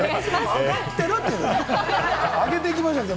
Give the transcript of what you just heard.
上がってるって、もう。